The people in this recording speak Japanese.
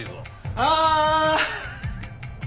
ああ！